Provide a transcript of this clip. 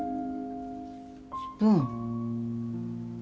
スプーン。